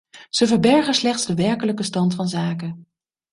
Ze verbergen slechts de werkelijke stand van zaken.